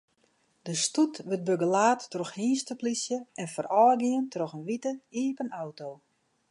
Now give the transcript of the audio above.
De stoet wurdt begelaat troch hynsteplysje en foarôfgien troch in wite iepen auto.